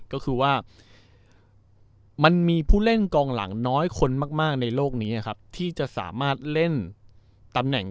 ก็คือว่ามันมีผู้เล่นกองหลังน้อยคนมากในโลกนี้ครับที่จะสามารถเล่นตำแหน่ง